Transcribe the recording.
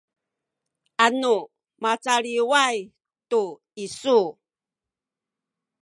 anu macaliw tu isu